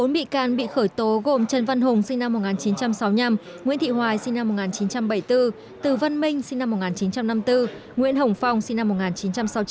bốn bị can bị khởi tố gồm trần văn hùng sinh năm một nghìn chín trăm sáu mươi năm nguyễn thị hoài sinh năm một nghìn chín trăm bảy mươi bốn từ văn minh sinh năm một nghìn chín trăm năm mươi bốn nguyễn hồng phong sinh năm một nghìn chín trăm sáu mươi chín